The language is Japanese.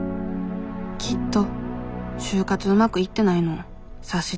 きっと就活うまくいってないのを察してくれただけ。